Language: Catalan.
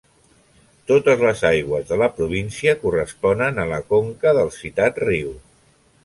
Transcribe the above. Totes les aigües de la província corresponen a la conca del citat riu.